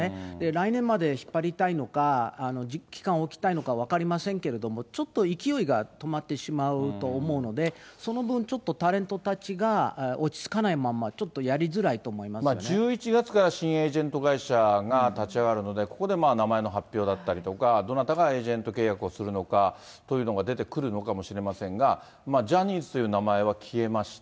来年まで引っ張りたいのか、期間を置きたいのか分かりませんけど、ちょっと勢いが止まってしまうと思うので、その分、ちょっとタレントたちが落ち着かないまんま、ちょっとやりづらい１１月から新エージェント会社が立ち上がるので、ここで名前の発表だったりとか、どなたがエージェント契約をするのかというのが出てくるのかもしれませんが、ジャニーズという名前は消えました。